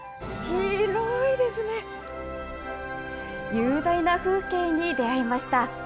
雄大な風景に出会いました。